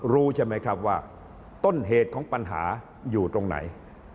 รู้ใช่ไหมครับว่าต้นเหตุของปัญหาอยู่ตรงไหน